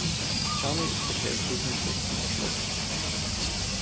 Charmey ist verkehrstechnisch recht gut erschlossen.